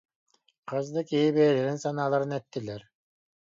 Хас да киһи бэйэлэрин санааларын эттилэр